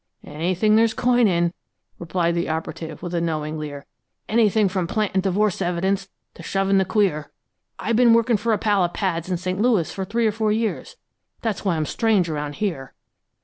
"Anything there's coin in," returned the operative, with a knowing leer. "Anything from planting divorce evidence to shoving the queer. I've been working for a pal of Pad's in St. Louis for three or four years that's why I'm strange around here.